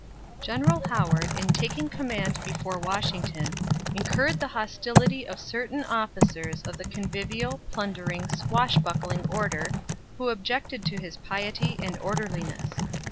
General Howard, in taking command before Washington, incurred the hostility of certain officers of the convivial, plundering, swashbuckling order, who objected to his piety and orderliness.